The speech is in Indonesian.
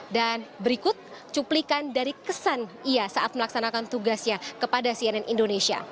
dan berikut cuplikan dari kesan ia saat melaksanakan tugasnya kepada cnn indonesia